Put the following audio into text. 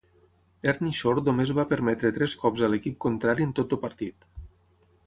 Ernie Shore només va permetre tres cops a l'equip contrari en tot el partit.